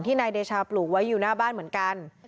นายเดชาปลูกไว้อยู่หน้าบ้านเหมือนกัน